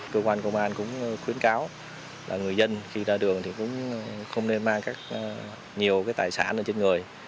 cơ quan công an cũng khuyến cáo là người dân khi ra đường thì cũng không nên mang nhiều tài sản trên người